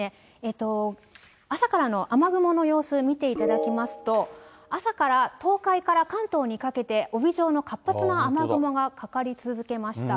朝から雨雲の様子、見ていただきますと、朝から東海から関東にかけて、帯状の活発な雨雲がかかり続けました。